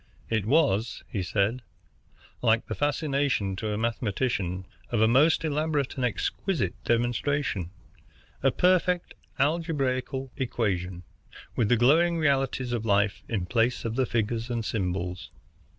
It was, he said, like the fascination to a mathematician of a most elaborate and exquisite demonstration, a perfect algebraical equation, with the glowing realities of life in place of figures and symbols.